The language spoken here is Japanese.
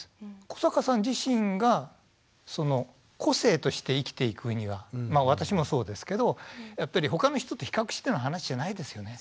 古坂さん自身がその個性として生きていく上には私もそうですけどやっぱり他の人と比較しての話じゃないですよね。